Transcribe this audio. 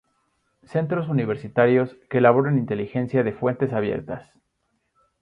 Centros Universitarios que elaboran inteligencia de fuentes abiertas.